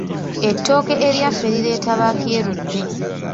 Ettooke eryaffe lireeta ba kyeruppe.